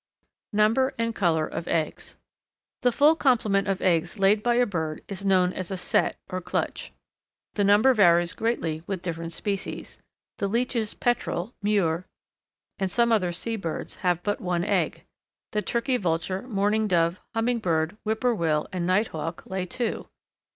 Number and Colour of Eggs. The full complement of eggs laid by a bird is known as a set or clutch. The number varies greatly with different species. The Leach's Petrel, Murre, and some other sea birds, have but one egg. The Turkey Vulture, Mourning Dove, Hummingbird, Whip poor will, and Nighthawk lay two.